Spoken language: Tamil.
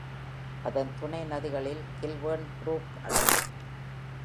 அதன் துணை நதிகளில் கில்வர்ன் புரூக் அடங்கும்.